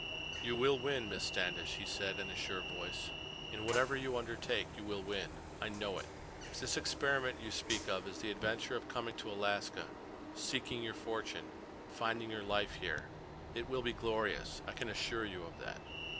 "You will win, Miss Standish," he said in a sure voice. "In whatever you undertake you will win. I know it. If this experiment you speak of is the adventure of coming to Alaska—seeking your fortune—finding your life here—it will be glorious. I can assure you of that."